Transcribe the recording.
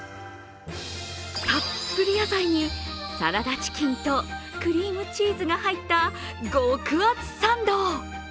たっぷり野菜にサラダチキンとクリームチーズが入った極厚サンド。